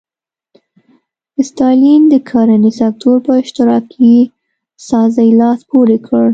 ستالین د کرنې سکتور په اشتراکي سازۍ لاس پورې کړ.